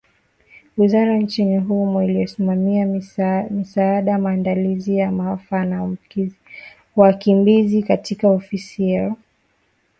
Wizara nchini humo inayosimamia misaada, maandalizi ya maafa na wakimbizi katika Ofisi ya Waziri Mkuu ilisema katika taarifa yake Jumapili jioni